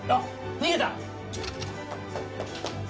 逃げた！